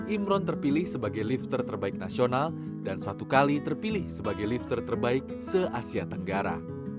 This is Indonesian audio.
imron terpilih sebagai lifter terbaik nasional dan satu kali terpilih sebagai lifter terbaik se asia tenggara